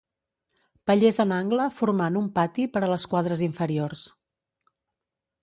Pallers en angle formant un pati per a les quadres inferiors.